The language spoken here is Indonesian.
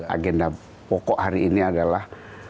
agenda pokok hari ini adalah